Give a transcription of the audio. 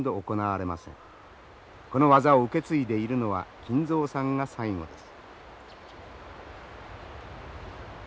この技を受け継いでいるのは金蔵さんが最後です。